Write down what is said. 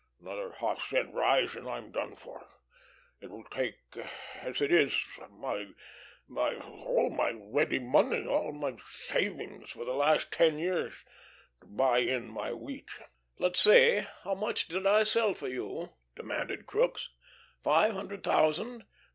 Another half cent rise, and I'm done for. It will take as it is my my all my ready money all my savings for the last ten years to buy in my wheat." "Let's see. How much did I sell for you?" demanded Crookes. "Five hundred thousand?"